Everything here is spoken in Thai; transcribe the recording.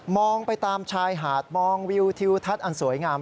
ไปตามชายหาดมองวิวทิวทัศน์อันสวยงาม